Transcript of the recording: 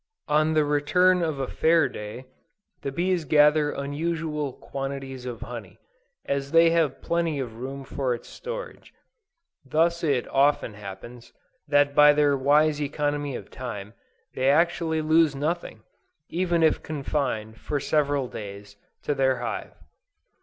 On the return of a fair day, the bees gather unusual quantities of honey, as they have plenty of room for its storage. Thus it often happens, that by their wise economy of time, they actually lose nothing, even if confined, for several days, to their hive.